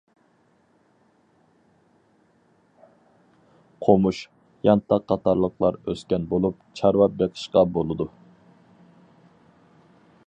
قومۇش، يانتاق قاتارلىقلار ئۆسكەن بولۇپ، چارۋا بېقىشقا بولىدۇ.